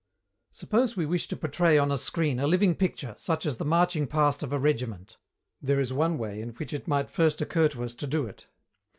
Suppose we wish to portray on a screen a living picture, such as the marching past of a regiment. There is one way in which it might first occur to us to do it.